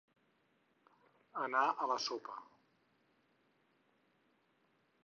Anar a la sopa.